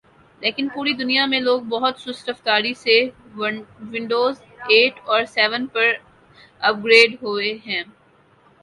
لیکن پوری دنیا میں لوگ بہت سست رفتاری سے ونڈوزایٹ اور سیون پر اپ گریڈ ہوہے ہیں